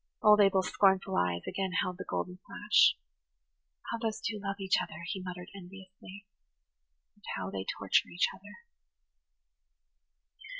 Old Abel's scornful eyes again held the golden flash. "How those two love each other!" he muttered enviously. "And how they torture each other!"